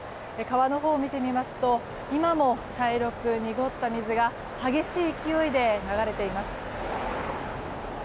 川のほうを見てみますと今も茶色く濁った水が激しい勢いで流れています。